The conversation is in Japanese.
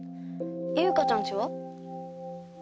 優香ちゃん家は？